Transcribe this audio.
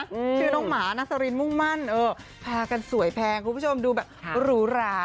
ชื่อน้องหมานาสรินมุ่งมั่นเออพากันสวยแพงคุณผู้ชมดูแบบหรูหรา